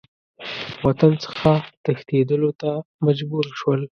وطن څخه تښتېدلو ته مجبور شول.